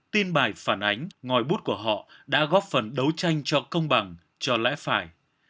tin bài phản ánh ngòi bút của họ đã góp phần đấu tranh cho công bằng cho lẽ phải